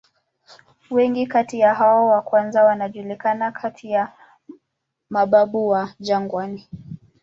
Wengi kati ya hao wa kwanza wanajulikana kati ya "mababu wa jangwani".